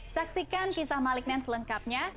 saksikan kisah malignant selengkapnya